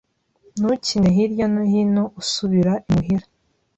Ntukine hirya no hino usubira imuhira.